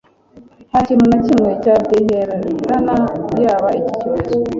nta kintu na kimwe cya duherana yaba iki cyorezo